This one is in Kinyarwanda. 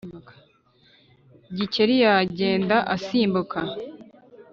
gikeli yagenda asimbuka